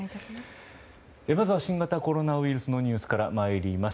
まずは新型コロナウイルスのニュースから参ります。